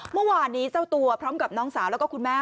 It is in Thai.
เมื่อวานนี้เจ้าตัวพร้อมกับน้องสาวแล้วก็คุณแม่